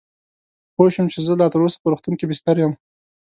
پوه شوم چې زه لا تراوسه په روغتون کې بستر یم.